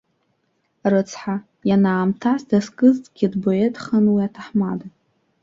Рыцҳа, ианаамҭаз дазкызҭгьы, дпоетхон уи аҭаҳмада!